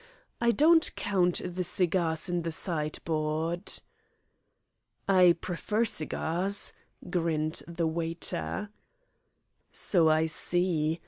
I don't count the cigars in the sideboard." "I prefer cigars," grinned the waiter. "So I see.